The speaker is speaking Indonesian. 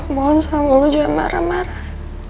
mohon sama lu jangan marah marah